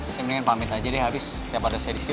saya mendingan pamit aja deh habis setiap ada saya disini